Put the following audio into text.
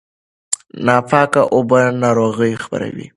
ناپاکه اوبه ناروغي خپروي.